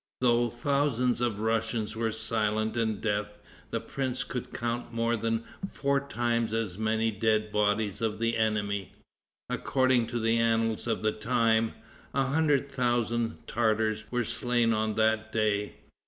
Though thousands of the Russians were silent in death, the prince could count more than four times as many dead bodies of the enemy. According to the annals of the time, a hundred thousand Tartars were slain on that day.